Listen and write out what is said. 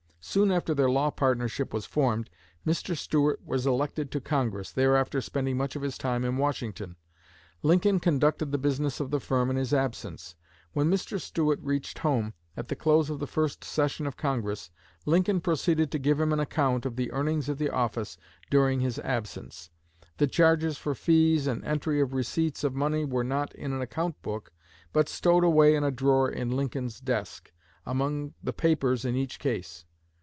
Soon after their law partnership was formed, Mr. Stuart was elected to Congress, thereafter spending much of his time in Washington. Lincoln conducted the business of the firm in his absence. When Mr. Stuart reached home, at the close of the first session of Congress, Lincoln proceeded to give him an account of the earnings of the office during his absence. The charges for fees and entry of receipts of money were not in an account book, but stowed away in a drawer in Lincoln's desk, among the papers in each case.